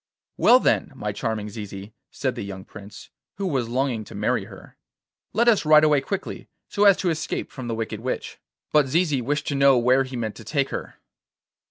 'Well, then, my charming Zizi,' said the young Prince, who was longing to marry her, 'let us ride away quickly so as to escape from the wicked witch.' But Zizi wished to know where he meant to take her.